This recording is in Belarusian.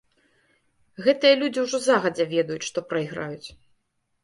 Гэтыя людзі ўжо загадзя ведаюць, што прайграюць.